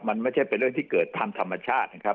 มันไม่ใช่เป็นเรื่องที่เกิดทางธรรมชาตินะครับ